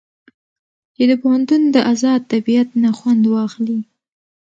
چې د پوهنتون د ازاد طبيعت نه خوند واخلي.